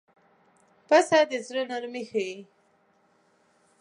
پسه د زړه نرمي ښيي.